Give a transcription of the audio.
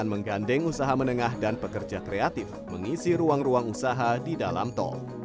dan menggandeng usaha menengah dan pekerja kreatif mengisi ruang ruang usaha di dalam tol